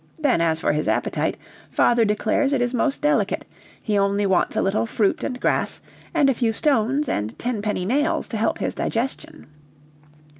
Then as for his appetite, father declares it is most delicate, he only wants a little fruit and grass, and a few stones and tenpenny nails to help his digestion."